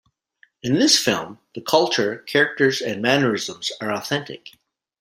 In this film, the culture, characters and mannerisms are authentic.